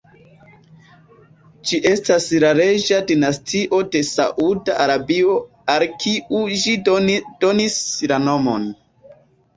Ĝi estas la reĝa dinastio de Sauda Arabio, al kiu ĝi donis la nomon.